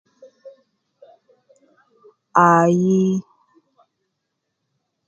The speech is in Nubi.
Aiiiii